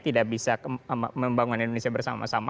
tidak bisa membangun indonesia bersama sama